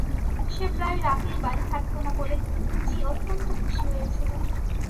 সে প্রায় রাতেই বাড়ি থাকত না বলে জি অত্যন্ত খুশি হয়েছিল।